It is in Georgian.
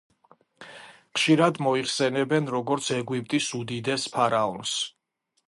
ხშირად მოიხსენებენ როგორც ეგვიპტის უდიდეს ფარაონს.